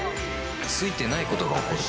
ついてないことが起こる